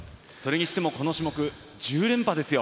この種目、１０連覇ですよ。